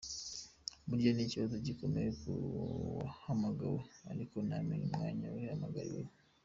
Burya ni ikibazo gikomeye ku wahamagawe ariko ntamenye umwanya we yahamagariwe.